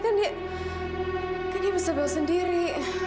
kan dia bisa bawa sendiri